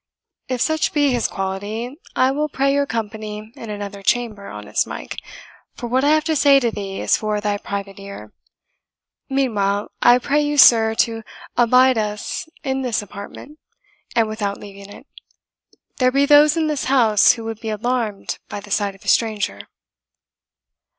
"If such be his quality, I will pray your company in another chamber, honest Mike, for what I have to say to thee is for thy private ear. Meanwhile, I pray you, sir, to abide us in this apartment, and without leaving it; there be those in this house who would be alarmed by the sight of a stranger."